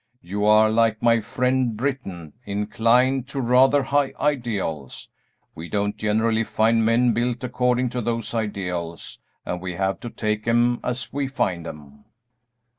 You are, like my friend Britton, inclined to rather high ideals. We don't generally find men built according to those ideals, and we have to take 'em as we find 'em."